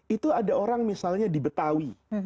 itu ada orang misalnya di betawi